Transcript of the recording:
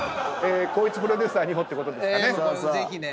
光一プロデューサーにもってことですかね。